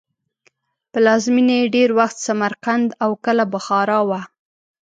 پلازمینه یې ډېر وخت سمرقند او کله بخارا وه.